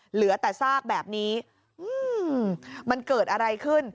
เหลือแต่ซากแบบนี้มันเกิดอะไรขึ้น